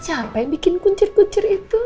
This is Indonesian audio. siapa yang bikin kuncir kuncir itu